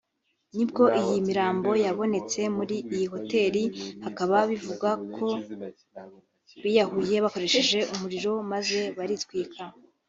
nibwo iyi mirambo yabonetse muri iyi hoteli bikaba bivugwa ko biyahuye bakoresheje umuriro maze baritwika